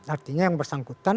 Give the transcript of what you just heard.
artinya yang bersangkutan